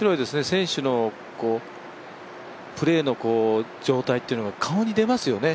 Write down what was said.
選手のプレーの状態っていうのが顔に出ますよね。